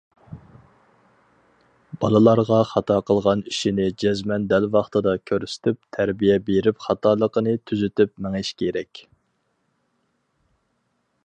بالىلارغا خاتا قىلغان ئىشىنى جەزمەن دەل ۋاقتىدا كۆرسىتىپ، تەربىيە بېرىپ خاتالىقىنى تۈزىتىپ مېڭىش كېرەك.